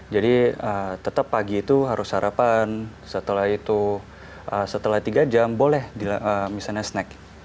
jadi tetap pagi itu harus sarapan setelah itu setelah tiga jam boleh misalnya snack